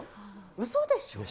うそでしょ？